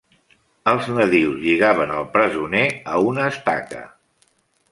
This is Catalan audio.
Els nadius lligaven al presoner en una estaca.